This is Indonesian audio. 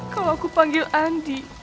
kalau aku panggil andi